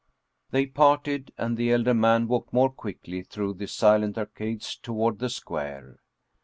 They parted, and the elder man walked more quickly through the silent arcades toward the square.